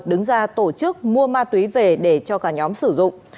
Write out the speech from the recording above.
đứng ra tổ chức mua ma túy về để cho cả nhóm sử dụng